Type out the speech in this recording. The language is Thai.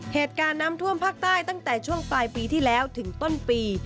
เหตุการณ์น้ำท่วมภาคใต้ตั้งแต่ช่วงปลายปีที่แล้วถึงต้นปี